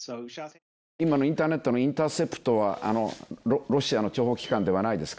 今のインターネットのインターセプトは、ロシアの諜報機関ではないですか？